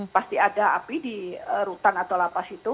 pasti ada api di rutan atau apa situ